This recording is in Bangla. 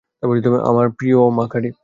আমার প্রিয় মাকারি।